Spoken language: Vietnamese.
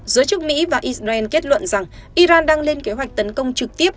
giới chức mỹ và israel kết luận rằng iran đang lên kế hoạch tấn công trực tiếp